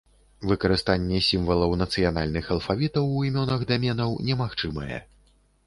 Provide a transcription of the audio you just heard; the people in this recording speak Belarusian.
Выкарыстанне сімвалаў нацыянальных алфавітаў у імёнах даменаў немагчымае.